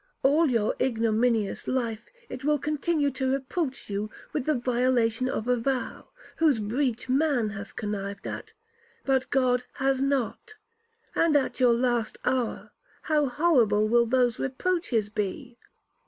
All your ignominious life, it will continue to reproach you with the violation of a vow, whose breach man has connived at, but God has not. And, at your last hour, how horrible will those reproaches be!'